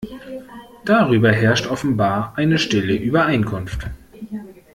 Darüber herrscht offenbar eine stille Übereinkunft.